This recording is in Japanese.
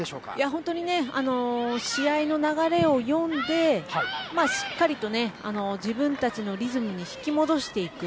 本当に試合の流れを読んで自分たちのリズムに引き戻していく。